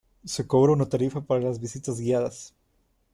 Se cobra una tarifa para las visitas guiadas.